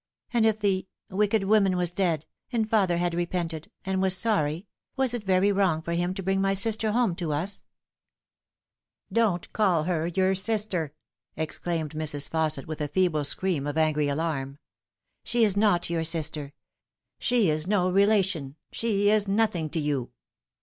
And if the wicked woman was dead, and father had repented, and was sorry, was it very wrong for him to bring my sister home to ns ?"" Don't call her your sisfcfer !" exclaimed Mrs. Fausset, with a feeble scream of angry alarm ;" she is not your sister she is no relation she is nothing to you.